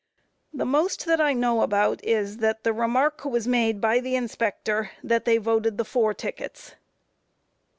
A. The most that I know about is, that the remark was made by the inspector that they voted the four tickets.